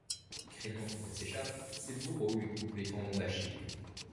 Craignant qu'il ne s'échappe, ses bourreaux lui coupent les tendons d'Achille.